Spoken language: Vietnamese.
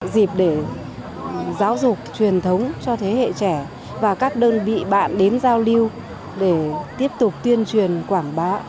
dịp để giáo dục truyền thống cho thế hệ trẻ và các đơn vị bạn đến giao lưu để tiếp tục tuyên truyền quảng bá